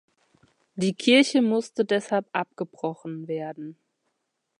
Die Kirche musste deshalb abgebrochen werden.